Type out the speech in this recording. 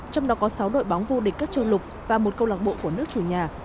trong đó có sáu đội bóng vô địch các châu lục và một câu lạc bộ của nước chủ nhà